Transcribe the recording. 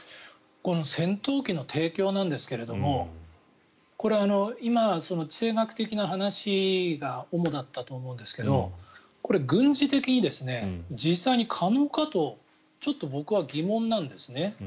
戦闘機の提供なんですがこれは今、地政学的な話が主だったと思うんですがこれ、軍事的に実際に可能かとちょっと僕は疑問なんですね。